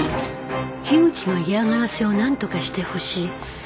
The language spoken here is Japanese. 樋口の嫌がらせを何とかしてほしい。